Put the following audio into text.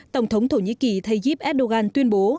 tổng thống thổ nhĩ kỳ tayyip erdogan tuyên bố